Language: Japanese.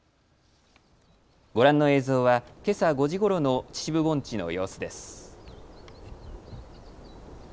ご覧の映像は、けさ５時ごろの秩父盆地の様子です。